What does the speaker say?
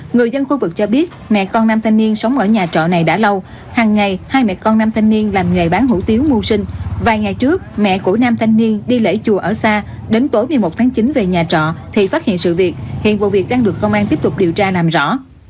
người dân khu vực cho biết mẹ con nam thanh niên sống ở nhà trọ này đã lâu hàng ngày hai mẹ con nam thanh niên làm nghề bán hủ tiếu mưu sinh vài ngày trước mẹ của nam thanh niên đi lễ chùa ở xa đến tối một mươi một tháng chín về nhà trọ thì phát hiện sự việc hiện vụ việc đang được công an tiếp tục điều tra làm rõ